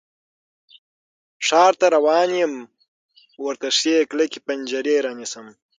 ښار ته روان یم، ورته ښې کلکې پنجرې رانیسم